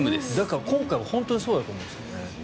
今回は本当にそうだと思うんですよね。